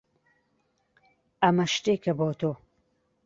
ئەمە شتێکە بۆ تۆ.